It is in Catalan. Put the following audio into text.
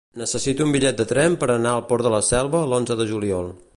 Necessito un bitllet de tren per anar al Port de la Selva l'onze de juliol.